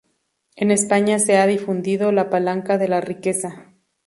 En España se ha difundido "La palanca de la riqueza.